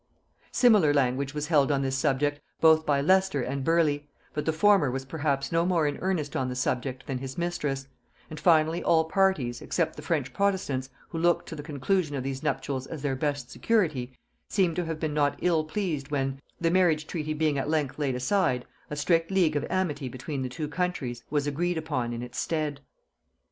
Similar language was held on this subject both by Leicester and Burleigh; but the former was perhaps no more in earnest on the subject than his mistress; and finally all parties, except the French protestants, who looked to the conclusion of these nuptials as their best security, seem to have been not ill pleased when, the marriage treaty being at length laid aside, a strict league of amity between the two countries was agreed upon in its stead.